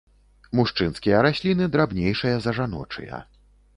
Мужчынскія расліны драбнейшыя за жаночыя.